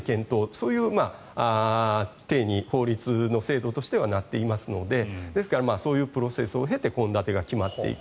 そういう体に法律の制度としてはなっていますのでですからそういうプロセスを経て献立が決まっていく。